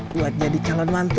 buat jadi calon mantu